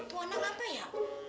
tuan nak apa ya